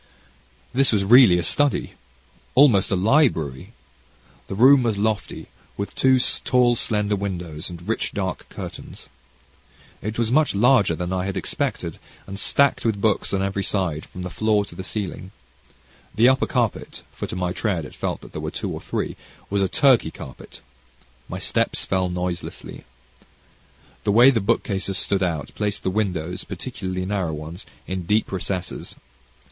This was really a study almost a library. The room was lofty, with two tall slender windows, and rich dark curtains. It was much larger than I had expected, and stored with books on every side, from the floor to the ceiling. The upper carpet for to my tread it felt that there were two or three was a Turkey carpet. My steps fell noiselessly. The bookcases standing out, placed the windows, particularly narrow ones, in deep recesses.